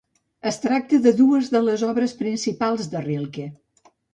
Es tracta de dues de les obres principals de Rilke.